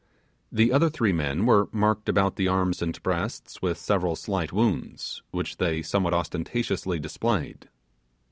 The other three men were marked about the arms and breasts with several slight wounds, which they somewhat ostentatiously displayed.